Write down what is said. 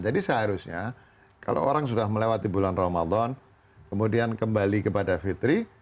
jadi seharusnya kalau orang sudah melewati bulan ramadan kemudian kembali kepada fitri